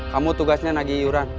kamu tugasnya nagih iuran